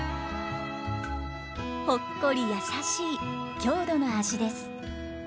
ほっこり優しい郷土の味です。